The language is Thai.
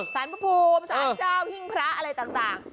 สารพระภูมิสารเจ้าหิ้งพระอะไรต่าง